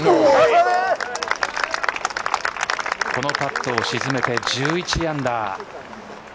このパットを沈めて１１アンダー。